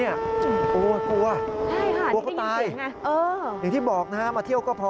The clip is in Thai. อย่างที่บอกนะครับมาเที่ยวก็พอ